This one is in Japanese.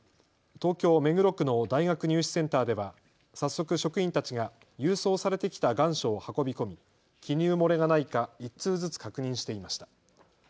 東京目黒区の大学入試センターでは早速、職員たちが郵送されてきた願書を運び込み記入漏れがないか１通ずつ確認していました。